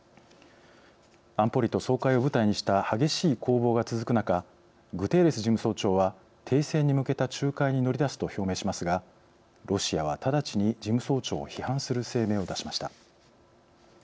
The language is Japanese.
安保理と総会を舞台にした激しい攻防が続く中グテーレス事務総長は停戦に向けた仲介に乗り出すと表明しますがロシアは直ちに事務総長を批判する声明を出しました。